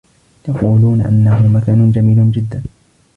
يقولون أنه مكان جميل جدّا.